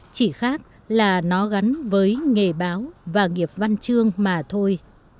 chỉ khác là nó gắn với nghề báo và nghiệp văn chương mà thôi